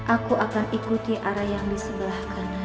aku akan ikuti arah yang di sebelah kanan